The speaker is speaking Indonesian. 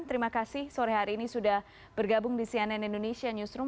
terima kasih sore hari ini sudah bergabung di cnn indonesia newsroom